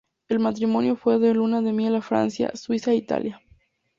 El matrimonio fue de luna de miel a Francia, Suiza e Italia.